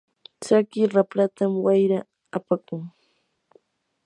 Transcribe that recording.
tsaki rapratam wayra apakun.